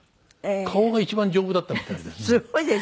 顔が一番丈夫だったみたいです。